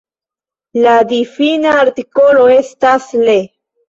La difina artikolo estas Le.